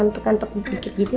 eh ngantuk ngantuk dikit gini ya